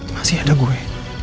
masih ada gue